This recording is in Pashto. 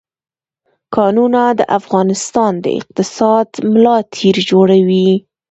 کانونه د افغانستان د اقتصاد ملا تیر جوړوي.